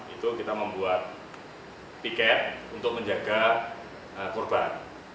itu kita membuat tiket untuk menjaga korban